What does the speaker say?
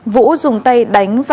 vũ dùng tay đánh và